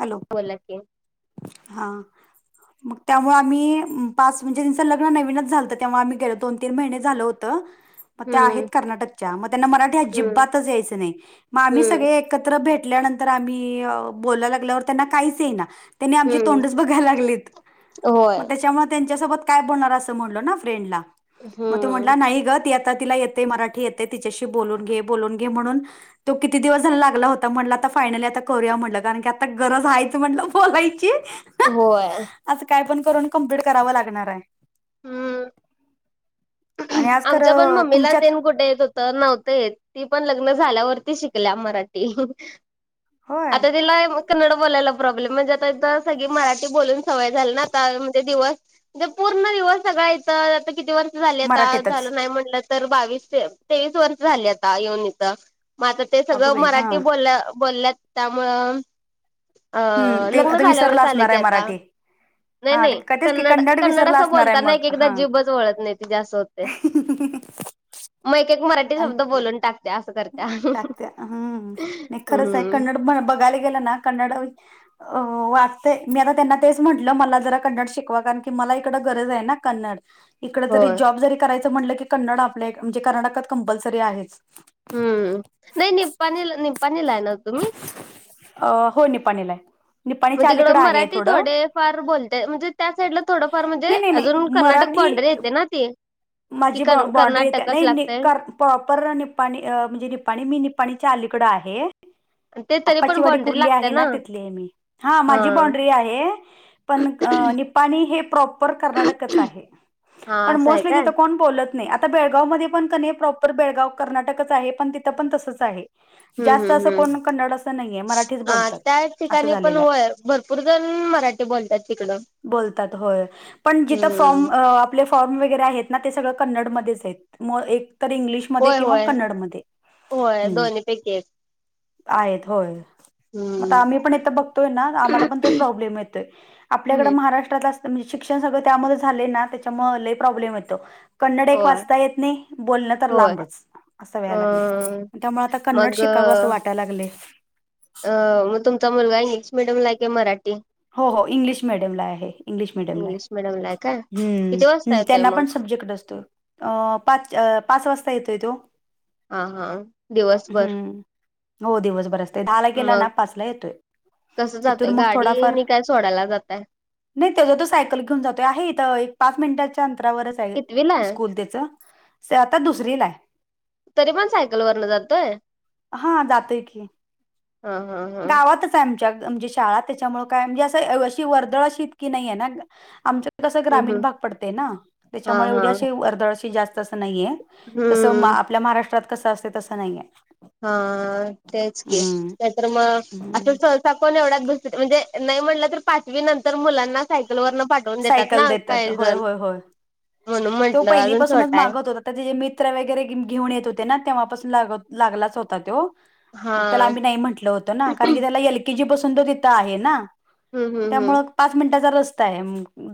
Hello, बोला कि. हां. मग त्यामुळं आम्ही पाच म्हणजे त्यांचं लग्न नवीनच झालतं तेव्हा आम्ही गेलो दोन तीन महिने झालं होतं. म त्या आहेत हम्म कर्नाटकच्या मग त्यांना मराठी हम्म अजिबातच यायचं नाही म आम्ही हम्म सगळे एक कत्र भेटल्यानंतर आम्ही बोला लागल्यावर त्यांना काहीच येई ना. त्यांनी आमचे हम्म तोंडच बघायला लागलेत होय मग त्याच्यामुळे त्यांच्यासोबत काय बोलनार आसं म्हणलो ना फ्रेंडला म तो हम्म म्हणला नाही ग ति आ ता तिला येतय मराठी येते तिच्याशी बोलून घे बोलून घे म्हणून तो किती दिवस झालं लागला होता. म्हणलं आता फायनली आता करूया म्हणलं कारण की आता गरज आहे त म्हंणलं बोलायची होय. असं काय पण करून कम्प्लीट करावं लागणार आय. हम्म. आणि आज आमच्या पण खरं मम्मीला तुमच्यात तेन कुठे येत हो तर नव्हतं येत ती पण लग्न झाल्यावरती शिकल्या मराठी. होय आता तिला. कन्नड बोलायला प्रॉब्लेम म्हणजे आता इथ सगळी मराठी बोलून सवय झाली ना आता म्हणजे दिवस म्हणजे पूर्ण दिवस सगळा इथ आता किती वर्ष झा मराठीतच झालं नाही म्हटलं तर बावीस तेवीस वर्ष झाली आता येऊन इथ. मझ ते अगं सगळं बाई हा मराठी बोल बोलल्यात त्यामुळं अ हम्म ते लग्न आता विसरला झाल्यावरच आले असणार की आहे आता. मराठी नाही हा का नाही तेच की कन्नड कन्नड विसरला असं असणार आहे बोलताना मग एक एकदा हा जीभच वळत नाही तीजी आस होतेय. आणि मग एक एक मराठी शब्द बोलून टाक टाकत्या हम्म नाही खरंच आहे हम्म कन्नड बघायला गेलं ना कन्नड अ वाटतंय मी आता त्यांना तेच म्हटलं मला जरा कन्नड शिकवा कारण की मला इकडं गरज आहे ना. कन्नड इकड जरी होय जॉब जरी करायचं म्हटलं की कन्नड आपल्या म्हणजे कर्नाटकात कंपल्सरी आहेच. हम्म नाही निपाणीला निपाणीला हाय ना तुम्ही. अ हो निपाणीला हाय. मग तिकडं मराठी थोडे फार बोलते म्हणजे त्या साइडला थोडंफार म्हणजे नाही नाही नाही अजून कर्नाटक मराठी बाॉंडरी येते ना ती कि माझी कर बा बाॉंड्री येते कर्नाटकच नाही नाही लागतंय. कर प्रॉपर निपाणी म्हणजे निपाणी मी निपाणीच्या अलीकडं आहे. ते तरी आप्पाची पण वाडी बाँड्री कुर्ली लागत्या आहे ना.. तिथली हाय मी माझी हा. बांड्री आहे. पण निपाणी हे प्रॉपर कर्नाटकच आहे. हा पण असं आहे मोस्टली काय? तिथं कोण बोलत नाही आता बेळगाव मध्ये पण कनी प्रॉपर बेळगाव कर्नाटकच आहे पण तिथं पण तसंच आहे. हम्म जास्त हम्म असं हम्म. कोण कन्नड असं नाहीये मराठीच हा बोलतात त्या असं ठिकाणी पण झालेलं आहे. होय भरपूर जण मराठी बोलतात तिकडं. बोलतात होय पण जिथं हम्म फॉर्म फॉर्म वगैरे आहेत ना ते सगळ कन्नड मध्येच आहेत एकतर इंग्लिश मध्ये होय किंवा होय कन्नड मध्ये होय दोन्ही पैकी एक आहेत होय म आता हम्म आम्ही पण बघतोय ना आम्हाला पण तोच प्रॉब्लेम येतोय आपल्याकडे हम्म महाराष्ट्रात अस म्हणजे शिक्षण सगळं त्यामध्ये झाले ना त्याच्यामुळे लई प्रॉब्लेम येतो. कन्नडक एक होय वाचता येत नाही बोलणं तर होय लांबच. असं अ व्हाय लागलय त्यामुळे आता कन्नड मग शिकावं असं वाटायला लागलय? अ मग तुमचा मुलगा इंग्लिश मिडियम ला हाय का मराठी? हो हो इंग्लिश मिडियमला आहे. इंग्लिश मिडियमला आहे. मिडियमला आहे काय हम्म किती वाजता हम्म येतोय त्यांना मग पण सब्जेक्ट असतो? अ पाच पाच वाजता येतोय तो हा हा दिवसभर हम्म हो दिवसभर असते दहाला गेला ना मग पाचला येतोय. कसं तिथून जातय मग थोडाफार गाडीनी काय सोडायला जातय? नाही त्याचा तो सायकल घेऊन जातोय आहे इथ एक पाच मिनिटाच्या अंतरावरच आहे स्कूल त्याचं. स आता दुसरी ला आहे. तरी पण सायकल वरन जातोय? हा जातोय की हा हा हा गावातच आण श त्याच्यामुळे काय म्हणे अशी वर्दळशीत की नाही आम. कसं हम्म ग्रामीण हम्म भाग पडते ना हा त्याच्यामुळे हा एवढी अशी वर्दळशी जास्त असं नाहीये. जस हम्म आपल्या महाराष्ट्रात कसं असते तसं नाहीये हा तेच की हं. नाही तर हम्म मग पण एवढ अभ्यास म्हणजे नाही म्हटलं तर पाचवी नंतर मुलांना सायकल वरन पाठवून देतात सायकल ना देतात काही होय जण होय होय म्हणून म्हंटलं अजून छोटाय. तर ते जे मित्र वगैरे घेऊन येत होते ना तेव्हापासून लाग लागलाच होता तो हा मग त्याला आम्ही नाही म्हंटल होत ना कारण की हम्म त्याला एल केजी पासून तो तिथं आहे ना. हम्म हम्म त्यामुं पाच मिनिटाचा रस्ता आहे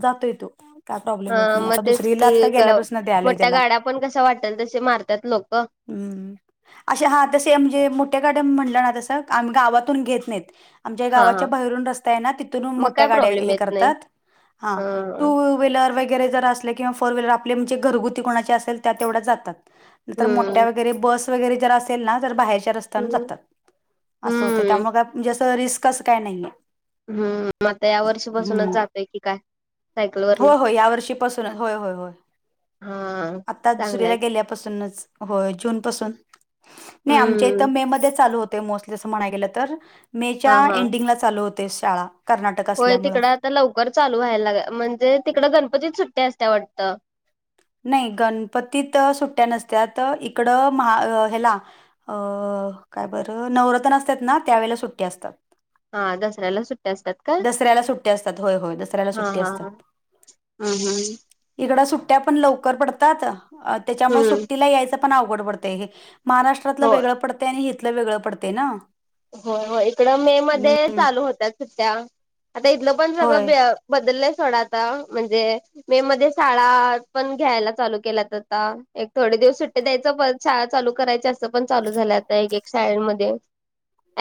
जातोय तो. काय प्रॉब्लेम येत हा नाही मग आता तेच दुसरीला की गेल्यापासून द्यायलोय मोठ्या त्याला गाड्या पण कसा वाटेल तसे मारतात लोक. हम्म. अा हा तसे म्हणजे मोठ्या गाड्या म्हटलं ना तसं आम्ही गावातून घेत नाहीत. आम हा हा गावाच्या बाहेरून रस्ता ना तिथून मग मो्या काय प्रॉब्लेम गाड्या येत नाही करतात. ह टू व्लर वगैरे जर असले किंवा फोर्हीलर आपलेणजे घरगुती कोणाचे असेल त्या तेवढ्या जातात. न तरर मोठ्या हम्म वगैरे बस वगैरे जर असेल ना तर बाहेरच्या अस. हम्म अस हो हम्म त्या रिस्क काय नाहीये. हम्म आता या वर्षीपासूनच हम्म जातोय की काय सायकल वरन. होय होय या वर्षीपासूनच होय होय होय हा चांगलाय आतारीला गे. की आल्या पासून च होय जून पासून नाय आमच्या हम्म हिथं मे मध्ये चालू होत. मोस्टली अस म्हणाय गेलं तर मेच्या हा हा एंडिंग ला चालू होते शाळा. कर्नाटक होय असल्यामुळं तिकडं आता लवकर चालू व्हायला म्हणजे तिकडं गणपती सुट्टी असते वाटतं. नाही गणपतीत सुट्ट्या नसत्यात इकडं महा ह्याला. अ अ काय बरं नवरत्न असतात ना, त्यावेेळे सुट्टी असतात. हा दसर्याला सुट्टे असतात. का दसऱ्याला सुट्टी असतात होय होय दसऱ्याला हा सुट्टी हा असतात. हा हम्म हम्म इकड सुट्ट्या पण लवकर पडतात त्याच्यामुळे हम्म. सुट्टीला यायचं. पण अवघड पडत हे महाराष्ट्रातलं होय वेगळं पडतं आणि हथलं वेगळं पडतेय ना. हो हो इकडं मे मध्ये हम्म चालू होतात सुध्या आता इथलं पण सगळं ब. होय बदललाय थोडा आता म्हणजे. मे मध्ये शाळा पण घ्यायला चालू केल्या आता एक थोडे दिवस सुट्टी द्यायचं पण. शाळा चालू करायच्या असं पण चालू झाल्या आता एक एक शाळेमध्ये.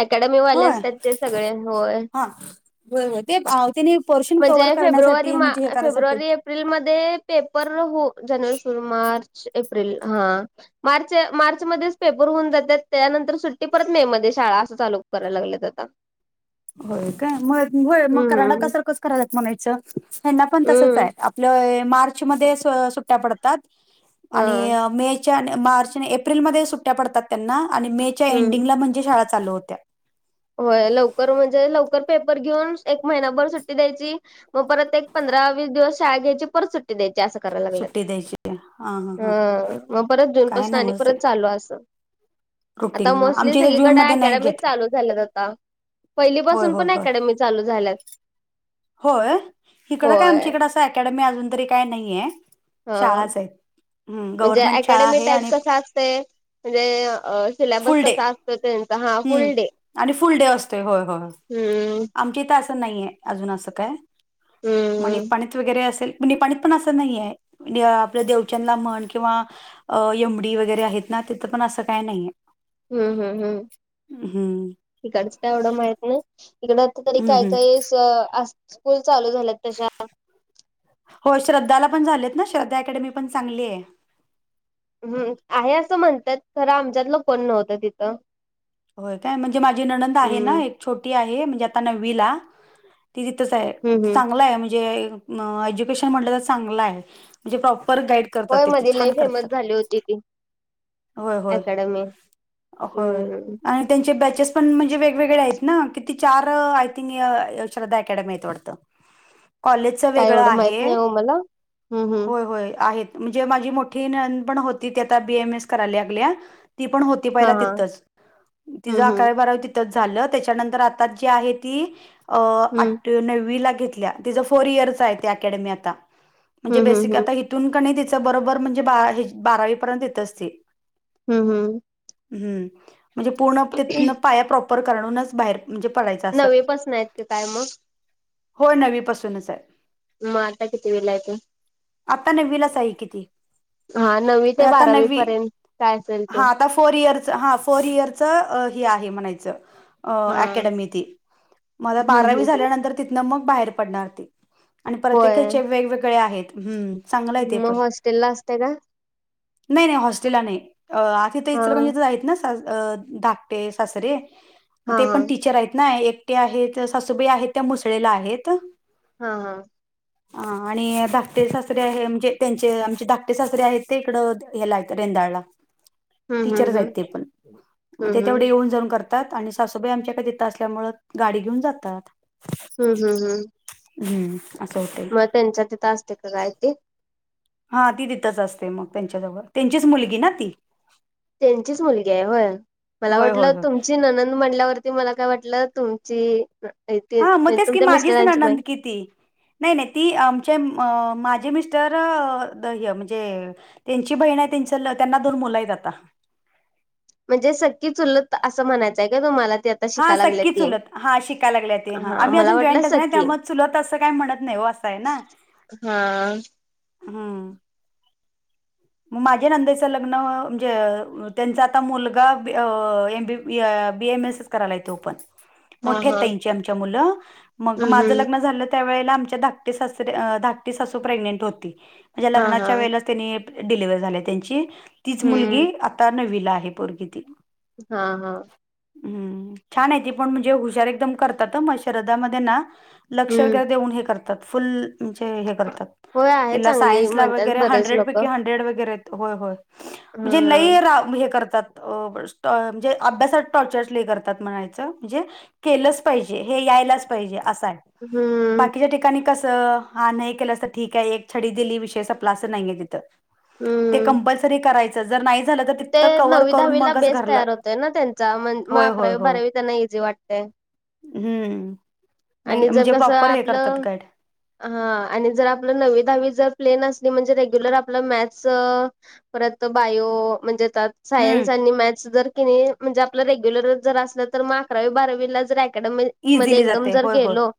अकॅडमी वाले होय असतात ते सगळे होय. हा होय होय ते त्याने पोर्शन म्हणजे कव्हर फेब्रुवारी करण्यासाठी म म्हणजे हे करायसाठी फेब्रुवारी. प्रिलमध्येध्ये पेपर हो जानेवारी सुर मार्च एप्रिल हा. मार्च मार्च मध्येच पेपर होऊन जातात त्यानंतर सुट्टी परत मे मध्ये शाळा अस. लू कराय लागलेत आता हो काय होय मग कराडा हम्म कसारखंच करायलात म्हणायचं हना पण तसंच हम्म आहे. आप मार्च म्या पतात आणि हा मे. मार्च एप्रिलमध्येध्ये सुट्ट्या पडतात त्यांना आणि मेच्या हम्म एंडिंगला म्हणजे शाळा लू होत्या. होय लवकर म्हणजे लवकर पेपर घेऊन एक महिनाभर सुट्टी द्यायची. मग परत एक पंधरा वीस दिवस शाळा घ्यायची परत सुट्टी द्यायची असं करायला लागल. ह ह. ह मग परत जूनपासून आणि परत चालू असं. आता रुटीन हा मोस्टली आमच्या इथे जून सगळीकडे मध्ये नाही अकॅडमीच घेत चालू. झा आता पहिली होय पाासून होय पण होय अॅडमी चालू झाल्यात. होय इकडं काय होय आमच्याकड असं अकॅडमी अजून तरी काय नाही आहे. हा म्हणजे शाळा अकॅडेमीिक आहे टाईप आणि कसा असतंय. म्हणजे सिलेबस कसा असतो त्यांचा हा. फुल हम् डे आणि फुल डे असते होय होय हम्म आमची तास. नाही अजून अस काय म्हण हम्म पणित वगैरे असेल. नि पाणी पण असं नाही आहे आपलं देवचंना म्हण किंवा अ यमडी वगैरे आहेत ना तिथं पण असं काय नाहीय. हम्म हम्म हम्म. हम्म. तिकडच काय एवढं माहत नाही तिकड आता तरी हम्म काय हम्म काही असत. स्कूल चालू झाल्या तश्या हो श्रद्धाला पण झालेत ना श्रद्ध अॅडमी पण चांगली आहे. हम्म आहे असं म्हणतात खरं आमच्यातलं कोण नव्हतं तिथं हो काय म्हणजे माझी ननंद आहे हम्म ना एक छोटी आहे म्हणजे आता नववीला ती तिथंच आहे हम्म हम्म चांगलं आहे म्हणजे एज्युकेशन म्हणलं तर चांगलं आहे म्हणजे प्रॉपर गाईड होय करतात ते मधी लई छान फेमस करतात झाली होती ती होय होय अकॅडमी होय हम्म आपण त्यांचे बॅचेस पण म्हणजे वेगवेगळे आहेत ना कि चार आय थिंक श्रद्धा अकॅडमी आहेत वाटतं कॉलेज च काय वेगळं एवढं माहित आहे नाही हो मला हम्म हम्म हो होय म्हणजे माझी मोठी पण होती ती आ बीएम एस करायला लागल्या ती पण ती हा पहिला हा तीतच पहिले हम्म हम्म आकरावी बाराबी त्याच्यानंतर आठवी नववी ला घेतल फोर इयर च आहे ते अकॅडमी आता हम्म हम्म हम्म बेसिक आता तथून कण तिचं बरोबर म्हणजे बारावी पर्यंत येतच ती हम् हम हम्म म्हणजे पूर्ण तथन पाया प्रॉपर करणूनच बाहेर म्हणजे पडायच नवी पासन आहेत कि काय मग हो नवीपासूनच आहे मग आता कितवीला तो आता नववीलाच आहे ती हा नववी ते म्हणजे आता बारावी नववी पर्यंत काय असेल ते हा आता फोर इयर हा फोर इयरच हे आहे म्हणायचं अ हा. अकॅडमी ती मला हम्म हम्म बारावी हम्म झाल्यानंतर तिथन मग बाहेर पडणार ती आणि होय परत्येकाचे वेगवेगळे आहेत हम्म चांगलंय ते मग पण हॉस्टेलला असते का? नाही नाही हॉस् थ इ हा म्हण ना धाकटे सरे मग हा ते पण हा टीचर आहेत ना एकटे आहेत सासूबाई आहेत त्या मुसळेल्या आहेत हा हा ह ह आणि धाकटे सासरे आहे म्हणजे त्यांचे आमचे ाकटे सासरे आहेत ते इकडं हे लाग रेंदाळला हम्म टीचर हम्म आहेत हम्म ते पण मग ते हम्म हम्म तिकडं येऊन जाऊन करत आणि सासूबाई आमच्याकडे येत असल्यामुळे गाडी घेऊन जातात हम् हम हम् हम्म अस असं होते त्यांच्या तिथं असते का काय ते हा ती दथच असते मग त्यांच्याजवळ त्यांचीच मुलगी ना ती त्यांचीच मुलगी आहे होय मला होय होय वाटलं होय तुमची ननंद म्हटल्यावरती ते मला काय वाटलं तुमची ते हा मग म्हणजे तेच की तुमच्या माझीच मिस्टरांची बाई ननंद ती नाही नाही ती आमचे माझे मिस्टर म्हणजे त्यांची बहीण आहे त्यांच त्यांना पण मुलं आहेत आता म्हणजे सक्कीच उलत असं म्हणायचंय का तुम्हाला त्या हा सक्की चुलत हा शिकायला लागल्या ते हा आम्ही मला अजून वाटलं जॉईंटत आहोत सख्खी. त्यामुळे चुलत असं काही म्हणत नाही काय ना हा हम मग माझ्या नंदेचं लग्न म्हणजे त्यांचा आता मुलगा M B B M S ताई च्या मुलं हा मोठ्या हा त्यांच्या मुलं मग हम्म माझं हम्म लग्न झालं त्या वेळला धकाटी सासू प्रग्नेंट होती म्हणजे हा हा लग्नाच्या वेळास डिलिवर्ह झाली त्यांची तीच हम्म मुलगी आता नवी आहे परग हा हा हम्म छान आहे ती पण म्हणजे हुशार एकदम करतात मग शरदामध्ये ना लक्ष हम्म वगैरे देऊन हे करतात फुल होय आहे तिला चांगली सायन्सला म्हणतात वगैरे बरेच हंड्रेड. लोक हा ग्रेड वगैरे म्हणजे लई हे करतात म्हणजे अभ्यासात टॉर्चरसले करतात म्हणायचं म्हणजे केलंच पाहिजे हे यायलाच पाहिजे असं हम्म बाकीच्या ठिकाणी ठिकाणी कसं हा नाही केलं अस ठीक आहे एक छडी दिली विषय स आपला असं नाहीये तिथं ते हम्म कंपल्सरी करायचं जर नाही झालं तर ते तिथं कव्हर नववी करून दहावीला मगच बेस्ट घरला तयार होते ना त्यांचा मण मग होय होय अकरावी होय बारावी त्यांना इझी वाटते. हम्म नाही आणि जर म्हणजे कसं प्रॉपर हे करतात आपलं गाईड हा आणि जर आपलं नववी दहावी जर प्लेनसली म्हणजे रेग्युलर आपलं मॅथ परत बायो म्हणजे त्यात हम्म. सायन्स आणि मॅथ्स जर कि म्हणजे आपलं रेग्युलर जर असलं तर मग अकरावी बारावीला जर अॅडम ईज दिली जाते. जर होय, होय. गेलो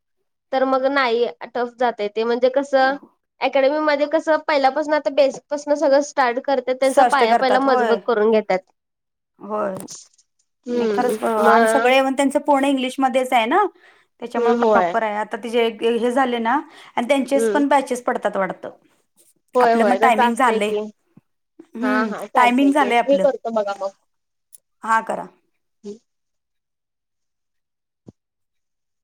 तर मग नाही टफ जातय ते म्हणजे कस अकॅडमी मध्ये कसं पहिल्यापासून आता बेसपसून सगळं स्टार्ट कर तर त्यांचा स्पष्ट पाया पहिला करतात. होय. मजबूत करून घेतात. होय खर हम्म आणि मग सगळे येऊण त्यांच पर्ण इंग्लिशमध्येच आहे ना त्याच्यामुळे हम्म होय. प्रॉपर आहे आता त हे झाले ना आणि त्यांचेच हम्म पण बॅचेस पडतात वाढतं होय आपल्या मग होय तसं टायमिंग असतंय झाले. की हा हम् हा चालतंय टायमिंग की झालंय मी आपलं करतो बघा मग. हा करा.